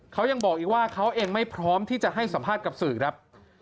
เขายังบอกอีกว่าเขาเองไม่พร้อมที่จะให้สัมภาษณ์กับสื่อครับ